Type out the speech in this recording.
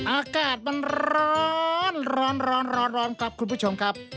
อากาศมันร้อนร้อนครับคุณผู้ชมครับ